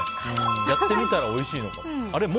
やってみたらおいしいのかも。